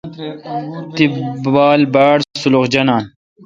تی بال باڑسلخ جانان۔